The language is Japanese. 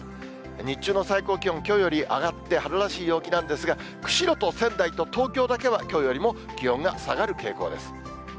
日中の最高気温、きょうより上がって春らしい陽気なんですが、釧路と仙台と東京だけは、きょうよりも気温が下がる傾向です。